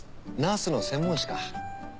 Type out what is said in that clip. ナースの専門誌か。